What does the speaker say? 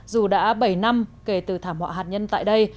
dù đã bảy năm kể từ thảm họa hạt nhân tại đây